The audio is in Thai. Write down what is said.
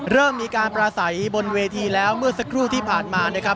เริ่มมีการปราศัยบนเวทีแล้วเมื่อสักครู่ที่ผ่านมานะครับ